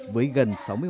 với một đường đèo dốc